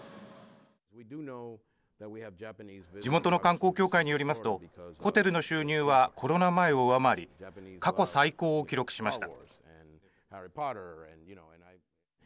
地元の観光協会によりますとホテルの収入はコロナ前を上回り過去最高を記録しました。